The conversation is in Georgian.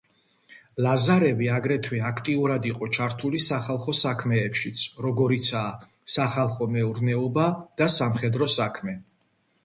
ლაზარევი აგრეთვე აქტიურად იყო ჩართული სახალხო საქმეებშიც, როგორიცაა: სახალხო მეურნეობა და სამხედრო საქმე.